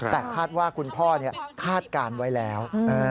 แต่คาดว่าคุณพ่อคาดการณ์ไว้แล้ว